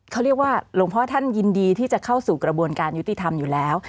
เขาเรียกว่าหลวงพ่อท่านยินดีที่จะเข้าสู่กระบวนการยุติธรรมอยู่แล้ว